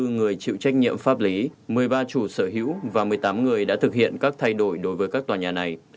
hai mươi người chịu trách nhiệm pháp lý một mươi ba chủ sở hữu và một mươi tám người đã thực hiện các thay đổi đối với các tòa nhà này